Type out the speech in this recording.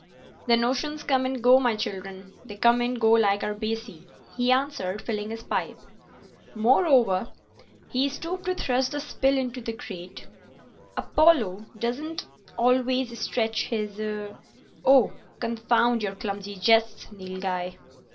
"The notions come and go, my children—they come and go like our "baccy," he answered, filling his pipe. "Moreover," he stooped to thrust a spill into the grate, "Apollo does not always stretch his—— Oh, confound your clumsy jests, Nilghai!"